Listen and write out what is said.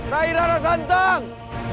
rai rai rana santang